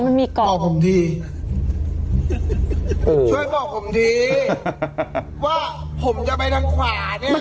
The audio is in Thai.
มันมีเกาะผมทีช่วยบอกผมทีว่าผมจะไปทางขวาเนี้ย